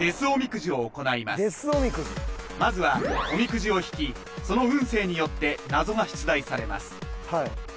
おみくじまずはおみくじを引きその運勢によって謎が出題されます